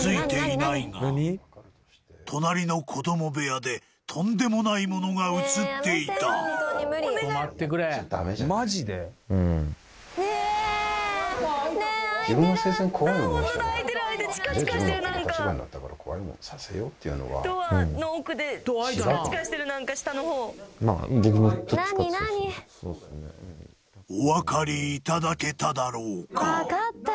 隣の子供部屋でとんでもないものが写っていたお分かりいただけただろうか？